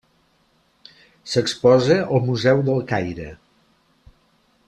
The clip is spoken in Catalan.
S'exposa al Museu del Caire.